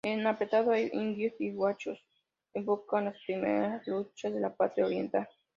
En apretado hay, indios y gauchos evocan las primeras luchas de la patria oriental.